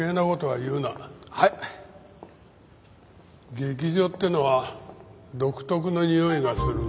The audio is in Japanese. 劇場っていうのは独特のにおいがするな。